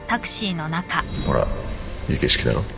ほらいい景色だろ